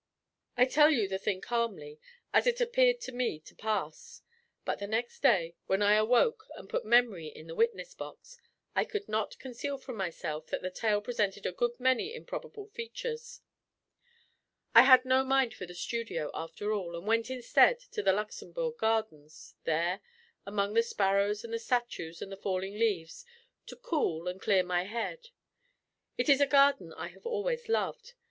I tell you the thing calmly, as it appeared to me to pass; but the next day, when I awoke and put memory in the witness box, I could not conceal from myself that the tale presented a good many improbable features. I had no mind for the studio, after all, and went instead to the Luxembourg gardens, there, among the sparrows and the statues and the falling leaves, to cool and clear my head. It is a garden I have always loved.